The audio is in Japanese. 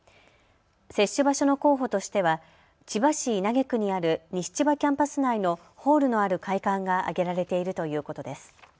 接種場所の候補としては千葉市稲毛区にある西千葉キャンパス内のホールのある会館が挙げられているということです。